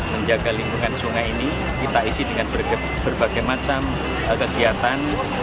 menjaga lingkungan sungai ini kita isi dengan berbagai macam kegiatan